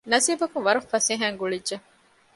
ނަސީބަކުން ވަރަށް ފަސޭހައިން ގުޅިއްޖެ